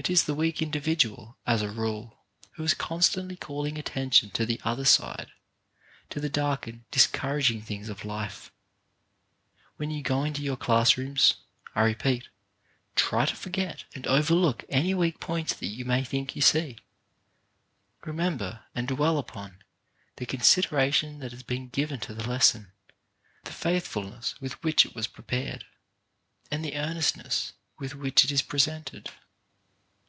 It is the weak individ ual, as a rule, who is constantly calling attention to the other side — to the dark and discouraging things of life. When you go into your class rooms, I repeat, try to forget and overlook any weak points that you may think you see. Re member, and dwell upon, the consideration that has been given to the lesson, the faithfulness with which it was prepared, and the earnestness with which it is presented.